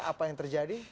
apa yang terjadi